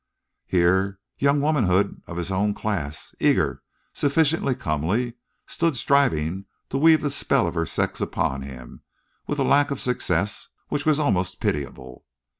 Here, young womanhood of his own class, eager, sufficiently comely, stood striving to weave the spell of her sex upon him, with a lack of success which was almost pitiable.